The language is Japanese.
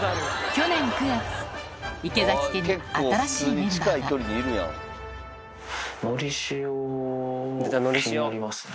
去年９月、池崎家に新しいメのりしお、気になりますね。